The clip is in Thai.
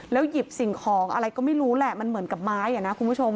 หยิบสิ่งของอะไรก็ไม่รู้แหละมันเหมือนกับไม้อ่ะนะคุณผู้ชม